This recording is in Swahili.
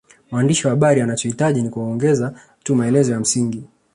Mwandishi wa habari anachohitaji ni kuongeza tu maelezo ya msingi